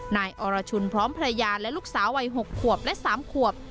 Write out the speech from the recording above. นายอรชุนพร้อมภรรยาและลูกสาววัย๖ขวบและ๓ขวบ